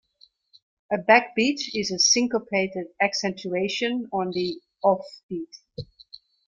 A backbeat is a syncopated accentuation on the "off" beat.